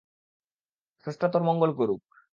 স্রষ্টা তোর মঙ্গল করুক!